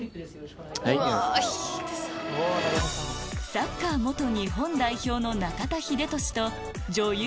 サッカー日本代表の中田英寿と女優